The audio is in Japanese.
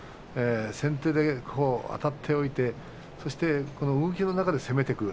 先手であたっておいてそして動きの中で攻めていく。